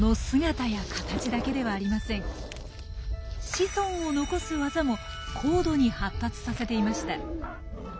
子孫を残す技も高度に発達させていました。